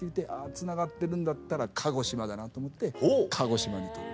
つながってるんだったら鹿児島だなと思って鹿児島に飛ぶ。